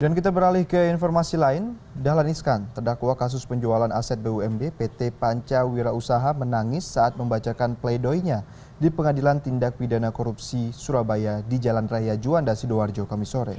dan kita beralih ke informasi lain dahlan iskan terdakwa kasus penjualan aset bumb pt pancawira usaha menangis saat membacakan playdoinya di pengadilan tindak pidana korupsi surabaya di jalan raya juanda sidoarjo kamisore